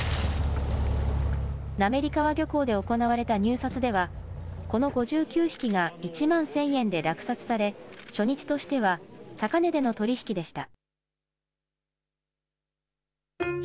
滑川漁港で行われた入札では、この５９匹が１万１０００円で落札され、初日としては高値での取り引きでした。